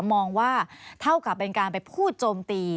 มองว่าเท่ากับเป็นการไปพูดโจมตี